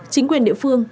chính quyền địa phương